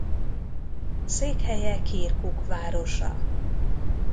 Székhelye Kirkuk városa.